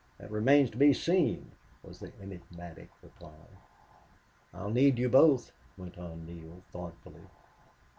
"That remains to be seen," was the enigmatic reply. "Ill need you both," went on Neale, thoughtfully.